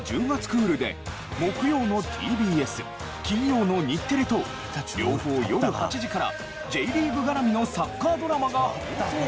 クールで木曜のＴＢＳ金曜の日テレと両方夜８時からＪリーグ絡みのサッカードラマが放送開始。